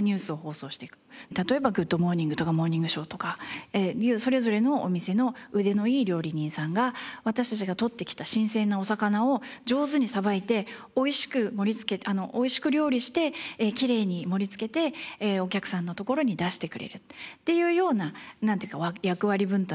例えば『グッド！モーニング』とか『モーニングショー』とかそれぞれのお店の腕のいい料理人さんが私たちが取ってきた新鮮なお魚を上手にさばいておいしくおいしく料理してきれいに盛りつけてお客さんのところに出してくれるっていうような役割分担というか。